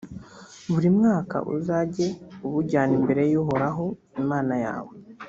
buri mwaka uzajye ubujyana imbere y’uhoraho imana yawe,